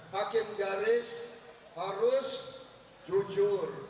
hakim garis harus jujur